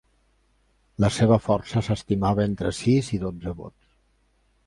La seva força s'estimava entre sis i dotze vots.